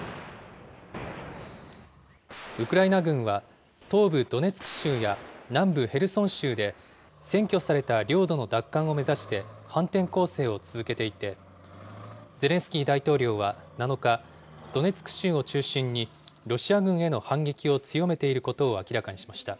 ウクライナ軍は、東部ドネツク州や南部ヘルソン州で、占拠された領土の奪還を目指して反転攻勢を続けていて、ゼレンスキー大統領は７日、ドネツク州を中心にロシア軍への反撃を強めていることを明らかにしました。